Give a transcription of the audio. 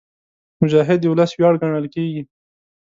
مجاهد د ولس ویاړ ګڼل کېږي.